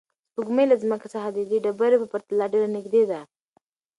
سپوږمۍ له ځمکې څخه د دې ډبرې په پرتله ډېره نږدې ده.